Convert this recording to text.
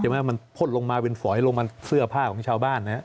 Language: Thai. มันพดลงมาเป็นฝอยลงมาเสื้อผ้าของชาวบ้านนะครับ